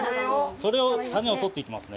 それを種を取っていきますね。